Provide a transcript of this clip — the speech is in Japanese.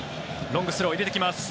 ロングスローを入れてきます。